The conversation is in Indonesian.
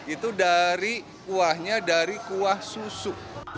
itu dari kuahnya dari kuah susu